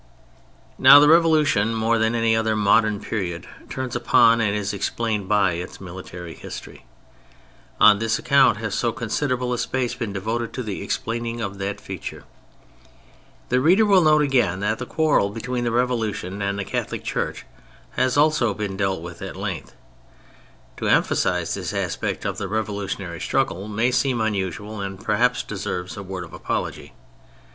Now, the Revolution, more than any other modem period, turns upon, and is explained by, its military history. On this account has so considerable a space been devoted to the explaining of that feature. The reader will note, again, that the quarrel between the Revolution and the Catholic Church has also been dealt with at length. To emphasise this aspect of the revolution ary struggle may seem unusual and perhaps deserves a word of apology.